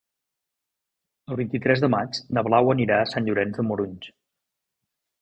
El vint-i-tres de maig na Blau anirà a Sant Llorenç de Morunys.